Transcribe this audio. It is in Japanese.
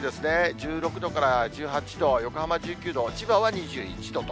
１６度から１８度、横浜１９度、千葉は２１度と。